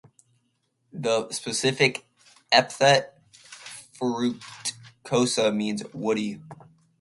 The specific epithet ("fruticosa") means "woody".